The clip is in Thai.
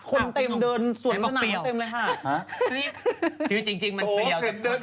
คนเต็มเดินสวนระนางเต็มเลยฮะ